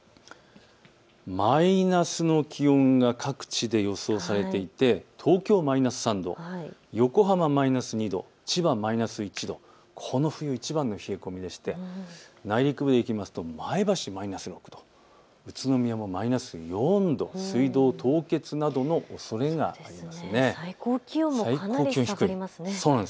マイナスの気温が各地で予想されていて東京マイナス３度、横浜マイナス２度、千葉マイナス１度、この冬いちばんの冷え込みでして内陸に行きますと前橋市でマイナス６度、宇都宮市もマイナス４度、水道凍結などのおそれがあります。